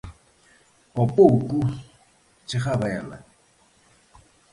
Ao pouco chegaba ela.